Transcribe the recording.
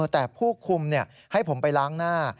แต่ผู้คุมให้ผมไปล้างหน้า